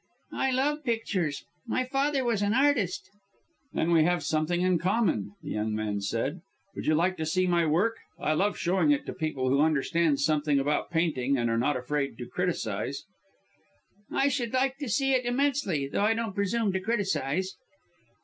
"I love pictures. My father was an artist." "Then we have something in common," the young man said. "Would you like to see my work? I love showing it to people who understand something about painting, and are not afraid to criticize." "I should like to see it, immensely though I won't presume to criticize."